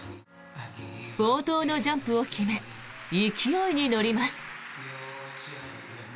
冒頭のジャンプを決め勢いに乗ります。